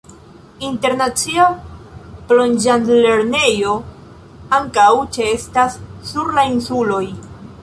Internacia plonĝadlernejo ankaŭ ĉeestas sur la insuloj.